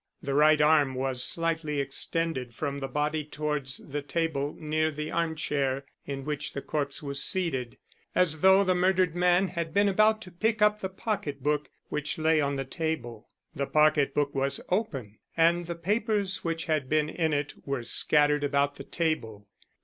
The right arm was slightly extended from the body towards the table near the arm chair in which the corpse was seated, as though the murdered man had been about to pick up the pocket book which lay on the table. The pocket book was open, and the papers which had been in it were scattered about the table.